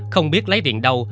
không biết lấy tiền đâu